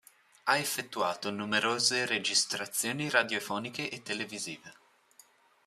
Ha effettuato numerose registrazioni radiofoniche e televisive.